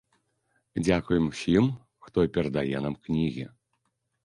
Дзякуем усім хто перадае нам кнігі!